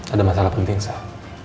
ada masalah penting sah